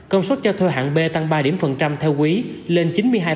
công suất cho thuê hạng b tăng ba điểm phần trăm theo quý lên chín mươi hai